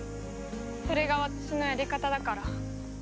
それが私のやり方だから。